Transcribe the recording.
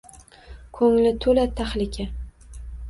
Ko’ngli to’la tahlika…